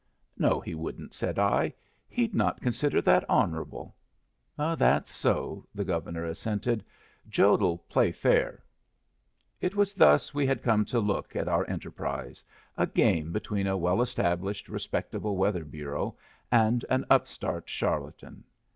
"No, he wouldn't," said I. "He'd not consider that honorable." "That's so," the Governor assented. "Jode'll play fair." It was thus we had come to look at our enterprise a game between a well established, respectable weather bureau and an upstart charlatan.